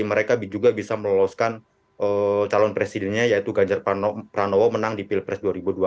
mereka juga bisa meloloskan calon presidennya yaitu ganjar pranowo menang di pilpres dua ribu dua puluh